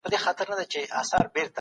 کله باید سګریټ ونه څکو؟